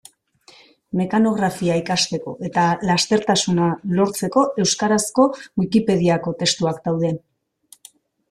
Mekanografia ikasteko eta lastertasuna lortzeko euskarazko Wikipediako testuak daude.